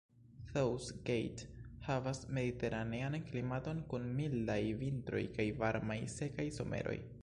South Gate havas mediteranean klimaton kun mildaj vintroj kaj varmaj, sekaj someroj.